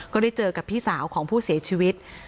ก็ได้เจอกับพี่สาวของผู้เสียชีวิต